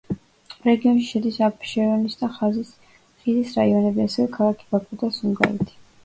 რეგიონში შედის აფშერონის და ხიზის რაიონები, ასევე ქალაქი ბაქო და სუმგაითი.